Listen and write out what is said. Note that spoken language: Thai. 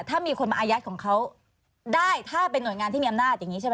ถ้ามีคนมาอายัดของเขาได้ถ้าเป็นหน่วยงานที่มีอำนาจอย่างนี้ใช่ไหม